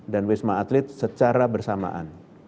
dan wisma atlet secara bersama sama